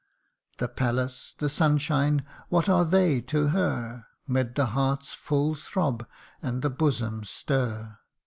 The palace the sunshine what are they to her 'Mid the heart's full throb, and the bosom's stir